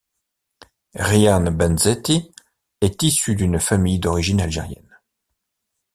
Rayane Bensetti est issu d'une famille d'origine algérienne.